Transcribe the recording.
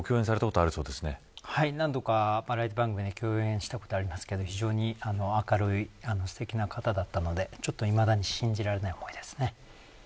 はい何度かバラエティー番組で共演したことがありますけど非常に明るいすてきな方だったのでちょっといまだに信じられない思いです。